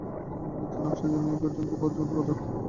তিনি নিজের নকশার একটি পেটেন্ট মঞ্জুর করেন।